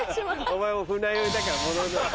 お前も船酔いだから戻りなさい。